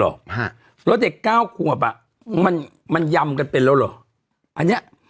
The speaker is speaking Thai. แล้วเด็กก้าวควบมันยำกันเป็นแล้วหรอ